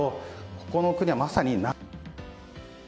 ここの国はまさに。